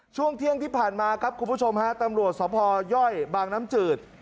ช่วงเที่ยงที่ผ่านมาครับคุณผู้ชมฮะตำรวจสภย่อยบางน้ำจืด